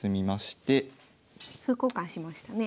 歩交換しましたね。